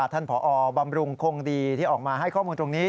ท่านผอบำรุงคงดีที่ออกมาให้ข้อมูลตรงนี้